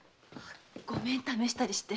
ごめん試したりして。